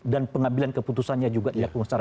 dan pengambilan keputusannya juga dilakukan secara